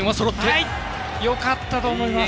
よかったと思います。